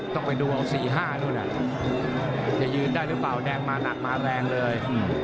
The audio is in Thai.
ต้องไปดูเอา๔๕นู่นจะยืนได้หรือเปล่าแดงมาหนักมาแรงเลย